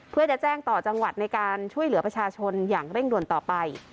เพื่อจะแจ้งต่อจังหวัดในการช่วยเหลือประชาชนอย่างเร่งด่วนต่อไป